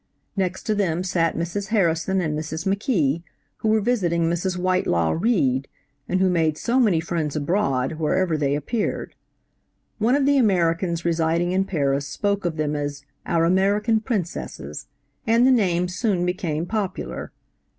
Next to them sat Mrs. Harrison and Mrs. McKee, who were visiting Mrs. Whitelaw Reid, and who made so many friends abroad where ever they appeared. One of the Americans residing in Paris spoke of them as "our American Princesses," and the name soon became popular.